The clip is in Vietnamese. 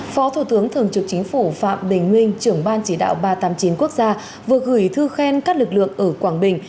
phó thủ tướng thường trực chính phủ phạm bình minh trưởng ban chỉ đạo ba trăm tám mươi chín quốc gia vừa gửi thư khen các lực lượng ở quảng bình